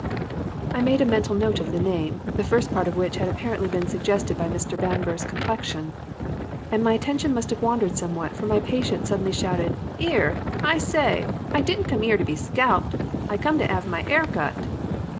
"I made a mental note of the name (the first part of which had apparently been suggested by Mr. Bamber's complexion) and my attention must have wandered somewhat, for my patient suddenly shouted: 'Ere! I say! I didn't come 'ere to be scalped. I come to 'ave my 'air cut.'